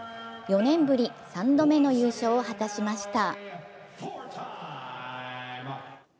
４年ぶり３度目の優勝を果たしました。